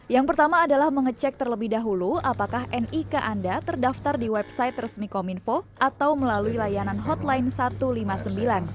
yang pertama adalah mengecek terlebih dahulu apakah nik anda terdaftar di website resmi kominfo atau melalui layanan hotline satu ratus lima puluh sembilan